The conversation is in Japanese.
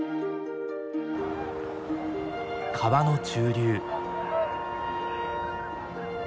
川の中流。